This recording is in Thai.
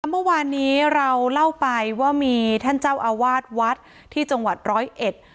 เมื่อวานนี้เราเล่าไปว่ามีท่านเจ้าอาวาสวัดที่จังหวัดร้อยเอ็ด